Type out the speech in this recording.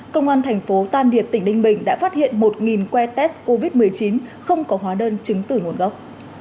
công an tp tan điệp tỉnh đinh bình đã phát hiện một que test covid một mươi chín không có hóa đơn chứng tử nguồn gốc